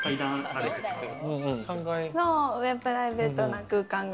上、プライベートな空間が。